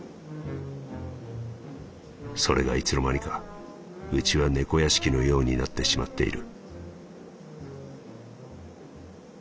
「それがいつの間にかうちは猫屋敷のようになってしまっている」。